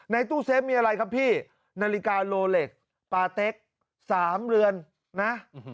ตู้เซฟมีอะไรครับพี่นาฬิกาโลเล็กปาเต็ก๓เรือนนะ